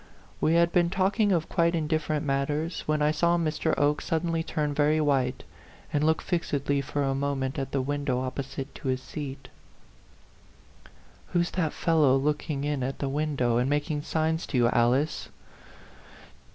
We had been talking of quite indifferent matters, when I saw Mr. Oke suddenly turn very white, and look fixedly for a moment at the window opposite to his seat. "Who's that fellow looking in at the window, and making signs to you, Alice?